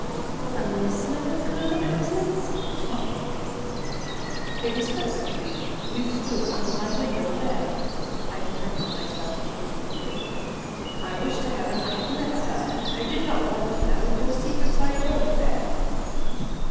"A listener, Colonel Annesley? Faugh!" "It was forced on me. You stood under my window there." I defended myself indignantly. "I wish to heaven I had never heard. I did not want to know; your secrets are your own affair."